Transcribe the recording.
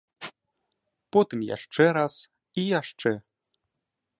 Потым яшчэ раз, і яшчэ.